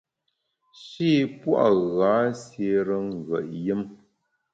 Shî pua’ gha siére ngùet yùm.